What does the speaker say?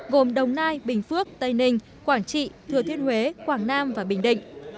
gồm đồng nai bình phước tây ninh quảng trị thừa thiên huế quảng nam và bình định